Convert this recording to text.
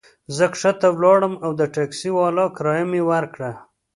زه کښته ولاړم او د ټکسي والا کرایه مي ورکړه.